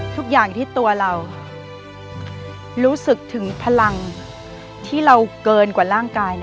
ทุกอย่างที่ตัวเรารู้สึกถึงพลังที่เราเกินกว่าร่างกาย